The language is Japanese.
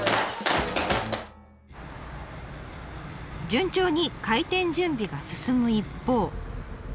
順調に開店準備が進む一方。